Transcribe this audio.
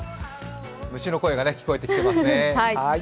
虫の声が聞こえてきていますね